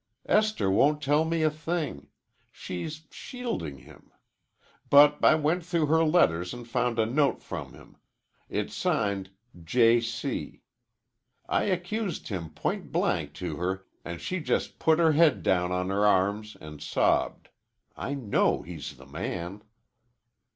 "Esther won't tell me a thing. She's shielding him. But I went through her letters and found a note from him. It's signed 'J. C.' I accused him point blank to her and she just put her head down on her arms and sobbed. I know he's the man."